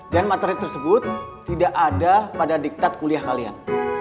dan materi tersebut tidak ada pada diktat kuliah kalian